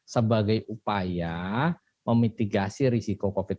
sebagai upaya memitigasi risiko covid sembilan belas